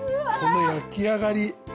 この焼き上がり。